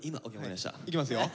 いきますよ。